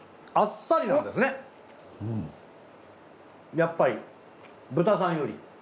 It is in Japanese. やっぱり豚さんより。